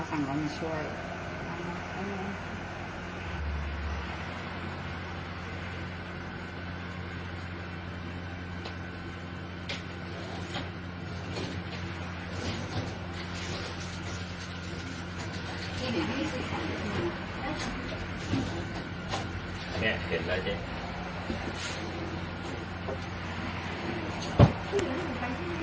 อันตรงนี้ก็ไม่มีของคุณเอง